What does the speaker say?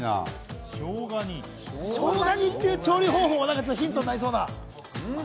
しょうが煮って調理方法もヒントになりそうな？